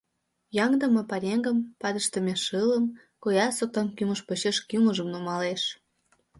Ӱяҥдыме пареҥгым, падыштыме шылым, коя соктан кӱмыж почеш кӱмыжым нумалеш...